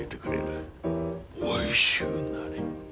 おいしゅうなれ。